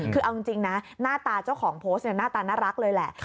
คือเอาจริงนะหน้าตาเจ้าของโพสต์หน้าตาน่ารักเลยแหละ